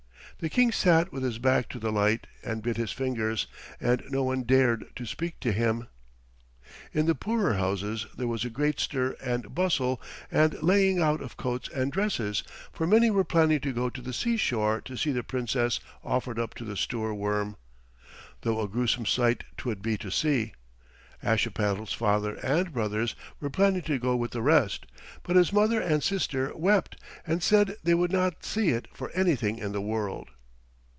The King sat with his back to the light and bit his fingers, and no one dared to speak to him. In the poorer houses there was a great stir and bustle and laying out of coats and dresses, for many were planning to go to the seashore to see the Princess offered up to the Stoorworm, though a gruesome sight 'twould be to see. Ashipattle's father and brothers were planning to go with the rest, but his mother and sister wept, and said they would not see it for anything in the world.